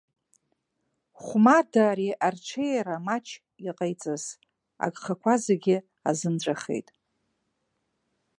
Хәмарда ари арҽеиара маҷ иҟаиҵаз агхақәа зегьы азымҵәахит.